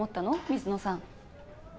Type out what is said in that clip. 水野さん。